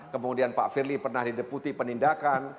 kemudian pak firly pernah di deputi penindakan